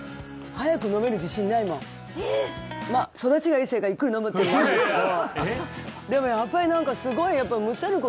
何か育ちがいいせいかゆっくり飲むっていうのもあるけどありますよね？